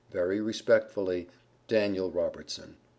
Very respectfully, DANIEL ROBERTSON.